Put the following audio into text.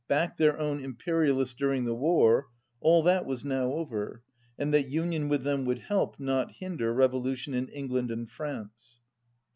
backed their own Impe rialists during the war, all that was now over, and that union with them would help, not hinder, revo lution in England and France, 4.